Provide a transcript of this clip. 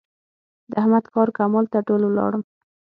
د احمد کار و کمال ته ډول ولاړم.